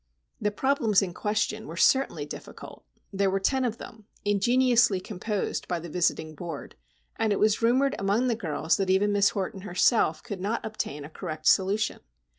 The problems in question were certainly difficult. There were ten of them,—ingeniously composed by "the Visiting Board"; and it was rumoured among the girls that even Miss Horton, herself, could not obtain a correct solution.